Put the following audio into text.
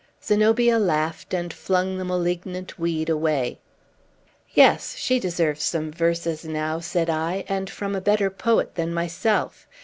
Zenobia laughed, and flung the malignant weed away. "Yes; she deserves some verses now," said I, "and from a better poet than myself.